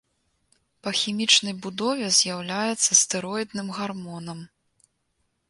Па хімічнай будове з'яўляецца стэроідным гармонам.